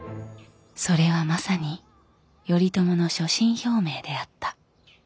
それはまさに頼朝の所信表明であった。